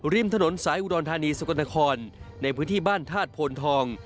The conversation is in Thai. ริมถนนสายอุดรธานีสกลนครในพื้นที่บ้านธาตุโพนทอง